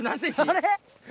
あれ？